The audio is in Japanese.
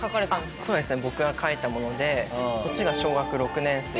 あっそうですね。